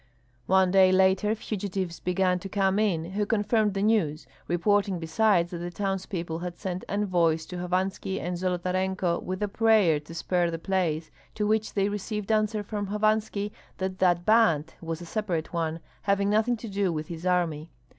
One day later fugitives began to come in who confirmed the news, reporting besides that the townspeople had sent envoys to Hovanski and Zolotarenko with a prayer to spare the place, to which they received answer from Hovanski that that band was a separate one, having nothing to do with his army.